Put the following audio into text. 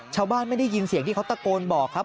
ไม่ได้ยินเสียงที่เขาตะโกนบอกครับ